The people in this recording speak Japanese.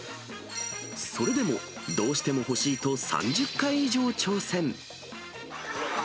それでもどうしても欲しいと３０回以上挑戦。